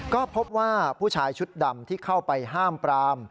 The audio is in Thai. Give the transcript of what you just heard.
ก็พบว่าผู้ชายชุดดำที่เข้าไปห้ามปราม